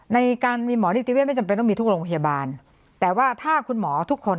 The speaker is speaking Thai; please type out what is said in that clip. ในการมีหมอนิติเวทไม่จำเป็นต้องมีทุกโรงพยาบาลแต่ว่าถ้าคุณหมอทุกคน